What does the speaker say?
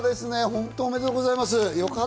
本当、おめでとうございます。